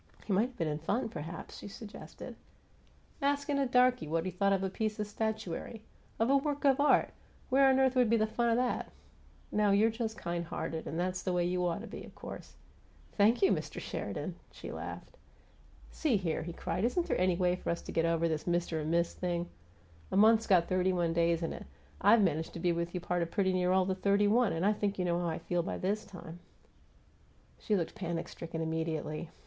"He might have been in fun, perhaps," she suggested. "Askin' a darky what he thought of a piece of statuary of a work of art! Where on earth would be the fun of that? No, you're just kind hearted and that's the way you OUGHT to be, of course " "Thank you, Mr. Sheridan!" she laughed. "See here!" he cried. "Isn't there any way for us to get over this Mister and Miss thing? A month's got thirty one days in it; I've managed to be with you a part of pretty near all the thirty one, and I think you know how I feel by this time " She looked panic stricken immediately.